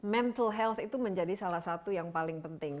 mental health itu menjadi salah satu yang paling penting